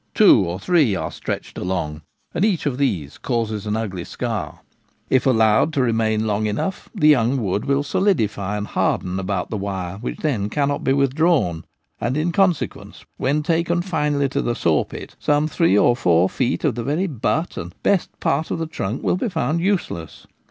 Two or three are stretched along, and each of these causes an ugly scar. If allowed to remain long enough, the young wood will solidify and harden about the wire, which then cannot be withdrawn ; and in consequence 54 The Gamekeeper at Home. when taken finally to the sawpit, some three or four feet of the very ' butt ' and best part of the trunk will be found useless.